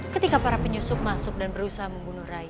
ketika para penyusup masuk dan berusaha membunuh rai